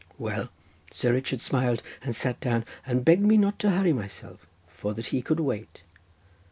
Well, Sir Richard smiled and sat down, and begged me not to hurry myself, for that he could wait.